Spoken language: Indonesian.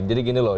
jadi gini loh